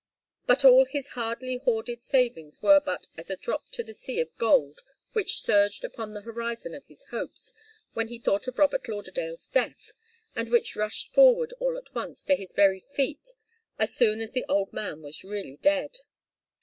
But all his hardly hoarded savings were but as a drop to the sea of gold which surged upon the horizon of his hopes when he thought of Robert Lauderdale's death, and which rushed forward all at once to his very feet, as soon as the old man was really dead.